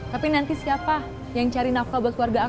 tapi nanti siapa yang cari nafkah buat keluarga aku